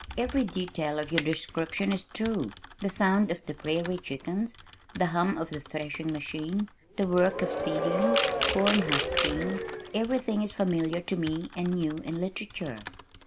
"Every detail of your description is true. The sound of the prairie chickens, the hum of the threshing machine, the work of seeding, corn husking, everything is familiar to me and new in literature."